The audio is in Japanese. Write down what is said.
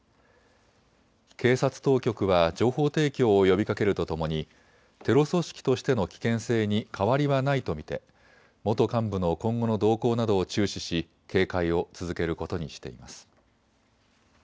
警察当局は情報提供を呼びかけるとともにテロ組織としての危険性に変わりはないと見て元幹部の今後の動向などを注視し警戒を続けることにしています。